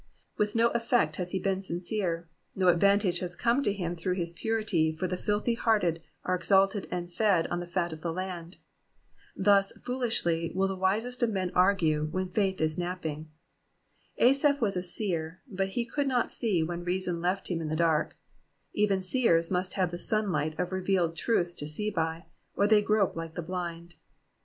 With no effect has he been sfncere ; no advantage has come to him through his purity, for the filthy hearted are exalted and fed on the fat of the land. Thus fool ishly will the wisest of men argue, when faith is napping. Asaph was a seer, but he could not see when reason left him in the dai k ; even seers must have the sunlight of revealed truth to see by, or they grope like the blind.